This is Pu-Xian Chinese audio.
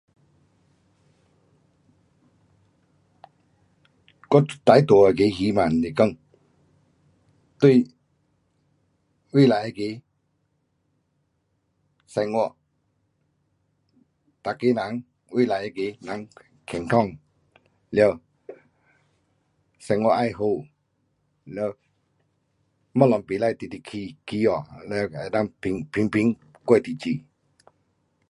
我最大那个希望是讲，对未来那个生活，每个人未来那个蓝天空，了生活要好，了东西不可直直起，起价，了能够平平过日子。